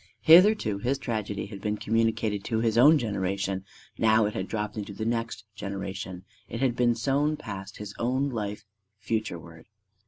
Hitherto his tragedy had been communicated to his own generation; now it had dropped into the next generation: it had been sown past his own life futureward.